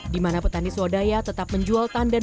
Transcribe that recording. di mana petani swadaya tetap menjual tandan